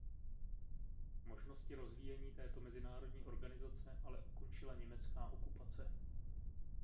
Možnosti rozvíjení této mezinárodní organizace ale ukončila německá okupace.